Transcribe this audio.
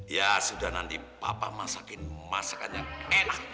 ya sudah nanti papa masakin masakan yang enak buat kamu